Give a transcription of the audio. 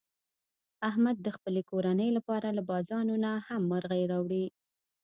احمد د خپلې کورنۍ لپاره له بازانونه نه هم مرغۍ راوړي.